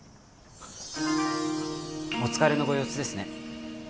お疲れのご様子ですね